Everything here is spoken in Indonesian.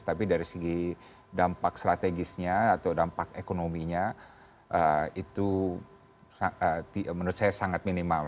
tapi dari segi dampak strategisnya atau dampak ekonominya itu menurut saya sangat minimal